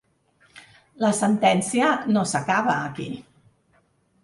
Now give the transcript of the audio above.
La sentència no s’acaba aquí.